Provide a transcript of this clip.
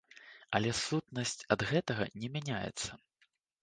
Але сутнасць ад гэтага не мяняецца.